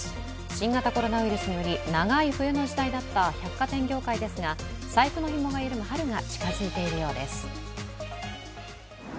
新型コロナウイルスにより長い冬の時代だった百貨店業界ですが財布のひもが緩む春が近づいているようです。